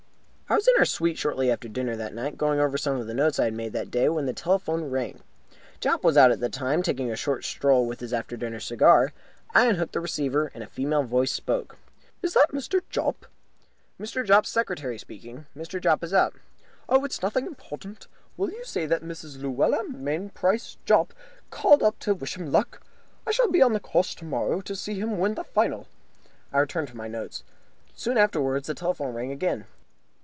I was in our suite shortly after dinner that night, going over some of the notes I had made that day, when the telephone rang. Jopp was out at the time, taking a short stroll with his after dinner cigar. I unhooked the receiver, and a female voice spoke. "Is that Mr. Jopp?" "Mr. Jopp's secretary speaking. Mr. Jopp is out." "Oh, it's nothing important. Will you say that Mrs. Luella Mainprice Jopp called up to wish him luck? I shall be on the course tomorrow to see him win the final." I returned to my notes. Soon afterwards the telephone rang again.